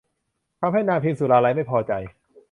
ทำให้นางพิมสุราลัยไม่พอใจ